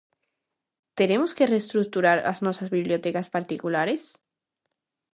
Teremos que reestruturar as nosas bibliotecas particulares?